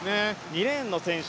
２レーンの選手